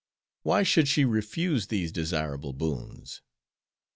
Why should she refuse these desirable boons?